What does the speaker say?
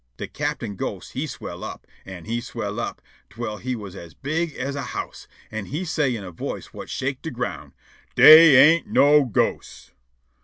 De captain ghost he swell' up, an' he swell' up, twell he as big as a house, an' he say' in a voice whut shake' de ground: "Dey ain't no ghosts."